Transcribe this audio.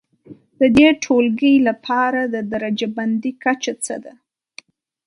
د دې ټولګي لپاره د درجه بندي کچه څه ده؟